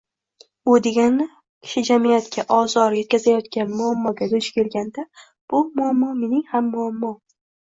Bu degani kishi jamiyatga ozor yetkazayotgan muammoga duch kelganda «bu muammo mening ham muammom